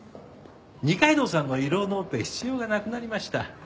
二階堂さんの胃ろうのオペ必要がなくなりました。